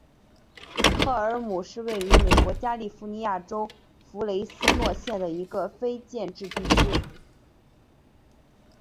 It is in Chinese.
赫尔姆是位于美国加利福尼亚州弗雷斯诺县的一个非建制地区。